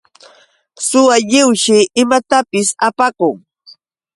Suwa lliwshi imatapis apakun.